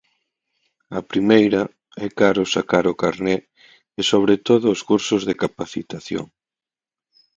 A primeira, é caro sacar o carné e sobre todo os cursos de capacitación.